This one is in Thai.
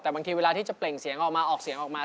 แต่บางทีเวลาที่จะเปล่งเสียงออกมาออกเสียงออกมา